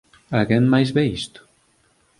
Alguén máis ve isto?